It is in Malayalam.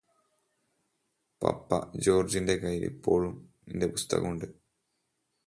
പപ്പ ജോര്ജിന്റെ കയ്യില് ഇപ്പോളും നിന്റെ പുസ്തകം ഉണ്ട്